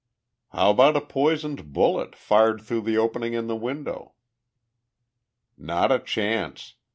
"How about a poisoned bullet, fired through the opening in the window?" "Not a chance!